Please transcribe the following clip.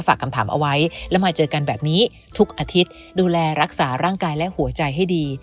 ฝากคำถามเอาไว้แล้วมาเจอกันแบบนี้ทุกอาทิตย์ดูแลรักษาร่างกายและหัวใจให้ดี